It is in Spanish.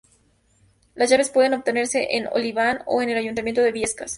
Las llaves pueden obtenerse en Oliván o en el Ayuntamiento de Biescas.